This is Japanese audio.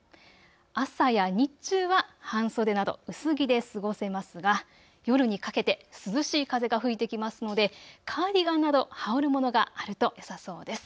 朝や日中は半袖など薄着で過ごせますが夜にかけて涼しい風が吹いてきますのでカーディガンなど羽織るものがあるとよさそうです。